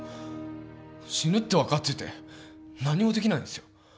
死ぬって分かってて何もできないんですよ？